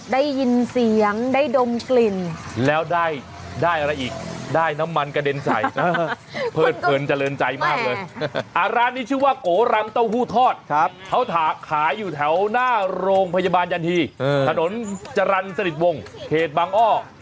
ได้ยินเสียงได้ดมกลิ่นแล้วได้ได้อะไรอีกได้น้ำมันกระเด็นใส่เพิดเพลินเจริญใจมากเลยร้านนี้ชื่อว่าโกรังเต้าหู้ทอดเขาขายอยู่แถวหน้าโรงพยาบาลยันทีถนนจรรย์สนิทวงเขตบางอ้อ